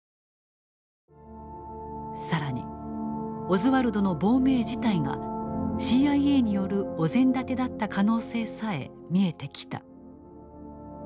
更にオズワルドの亡命自体がＣＩＡによるお膳立てだった可能性さえ見えてきた。